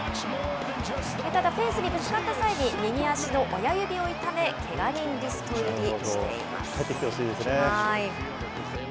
ただ、フェンスにぶつかった際に、右足の親指を痛め、けが人帰ってきてほしいですね。